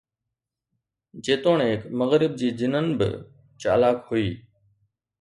جيتوڻيڪ مغرب جي جنن به چالاڪ هئي